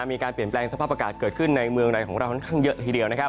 มีการเปลี่ยนแปลงสภาพอากาศเกิดขึ้นในเมืองในของเราค่อนข้างเยอะทีเดียวนะครับ